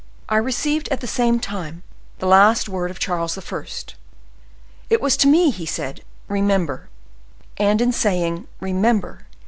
I received, at the same time, the last word of Charles I.; it was to me he said, 'REMEMBER!' and in saying, 'Remember!